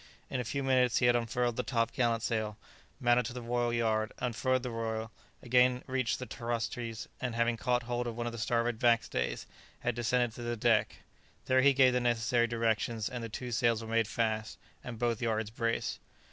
In a few minutes he had unfurled the top gallant sail, mounted to the royal yard, unfurled the royal, again reached the cross trees, and having caught hold of one of the starboard backstays, had descended to the deck; there he gave the necessary directions, and the two sails were made fast, and both yards braced.